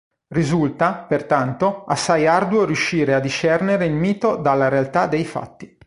Risulta, pertanto, assai arduo riuscire a discernere il mito dalla realtà dei fatti.